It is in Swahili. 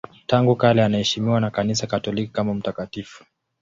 Tangu kale anaheshimiwa na Kanisa Katoliki kama mtakatifu.